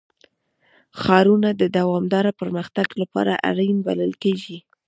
ښارونه د دوامداره پرمختګ لپاره اړین بلل کېږي.